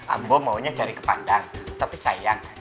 abo maunya cari kepadang tapi sayang